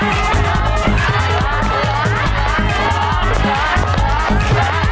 สวัสดีครับสวัสดีครับ